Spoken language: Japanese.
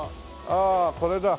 ああこれだ。